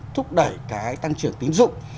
thúc đẩy cái tăng trưởng tín dụng